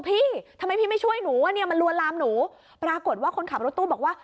พี่ทำไมพี่ไม่ช่วยหนูอ่ะเนี่ยมันลวนลามหนูปรากฏว่าคนขับรถตู้บอกว่า